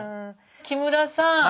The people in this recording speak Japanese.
木村さん